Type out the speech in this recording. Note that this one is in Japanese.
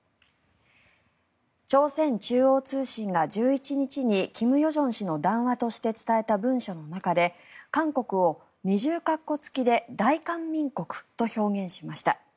朝鮮中央通信が１１日に金与正氏の談話として伝えた文書の中で韓国を二重括弧付きで大韓民国と表現しました。